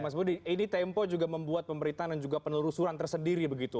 mas budi ini tempo juga membuat pemberitaan dan juga penelusuran tersendiri begitu